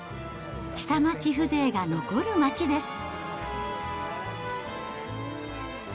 下町風情が残る街です。